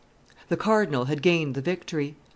The cardinal had gained the victory.